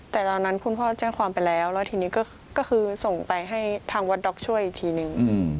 แต่ตอนนั้นคุณพ่อแจ้งความไปแล้วแล้วทีนี้ก็คือส่งไปให้ทางวัดด็อกช่วยอีกทีนึง